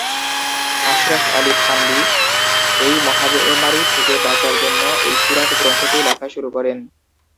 আশরাফ আলী থানভী এই মহামারী থেকে বাঁচার জন্য এই সীরাত গ্রন্থটি লেখা শুরু করেন।